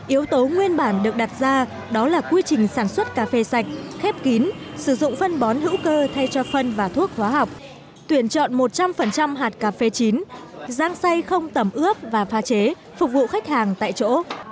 yếu tố nguyên bản được đặt ra đó là quy trình sản xuất cà phê sạch khép kín sử dụng phân bón hữu cơ thay cho phân và thuốc hóa học tuyển chọn một trăm linh hạt cà phê chín giang xay không tẩm ướp và pha chế phục vụ khách hàng tại chỗ